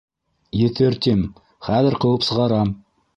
— Етер, тим, хәҙер ҡыуып сығарам.